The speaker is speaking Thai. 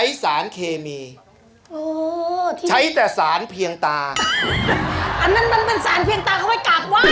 ไม่มีใช้แต่ศาลเพียงตาอันนั้นมันเป็นศาลเพียงตาเขาให้กราบไว้